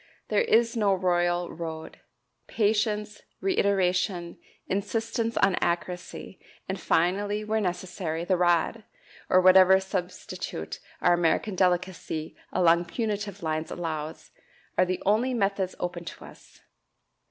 There is no royal road patience, reiteration, insistence on accuracy, and finally, where necessary, the rod, or whatever substitute our American delicacy along punitive lines allows, are the only methods open to us.